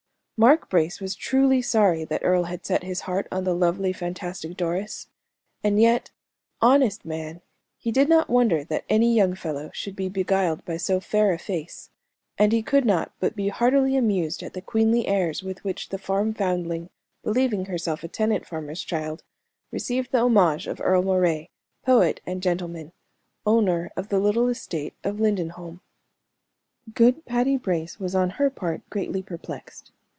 Mark Brace was truly sorry that Earle had set his heart on the lovely, fantastic Doris; and yet, honest man, he did not wonder that any young fellow should be beguiled by so fair a face, and he could not but be heartily amused at the queenly airs with which the farm foundling, believing herself a tenant farmer's child, received the homage of Earle Moray, poet and gentleman, owner of the little estate of Lindenholm. Good Patty Brace was, on her part, greatly perplexed.